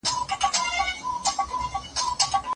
که د ژوند ځانګړی اړخ هېر سي دا به تېروتنه وي.